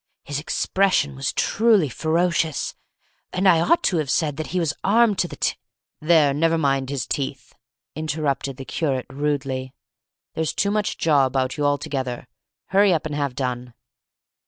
His expression was truly ferocious, and I ought to have said that he was armed to the t " "There, never mind his teeth," interrupted the curate, rudely; "there's too much jaw about you altogether. Hurry up and have done."